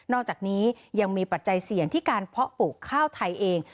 อกจากนี้ยังมีปัจจัยเสี่ยงที่การเพาะปลูกข้าวไทยเอง